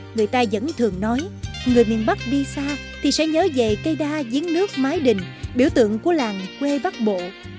người ta vẫn thường nói người miền bắc đi xa thì sẽ nhớ về cây đa giếng nước mái đình biểu tượng của làng quê bắc bộ